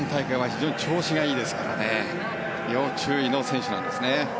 非常に調子がいいですから要注意の選手なんですね。